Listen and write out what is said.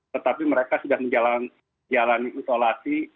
tetapi mereka sudah menjalani isolasi